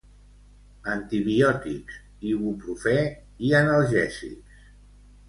Antibiòtics, Ibuprofè i analgèsics